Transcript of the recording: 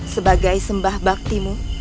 sebagai sembah baktimu